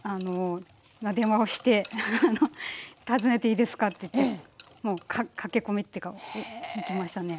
電話をして「訪ねていいですか？」って言ってもう駆け込みっていうか行きましたね。